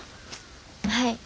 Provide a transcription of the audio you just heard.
はい。